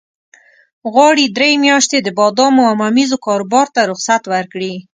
غواړي درې میاشتې د بادامو او ممیزو کاروبار ته رخصت ورکړي.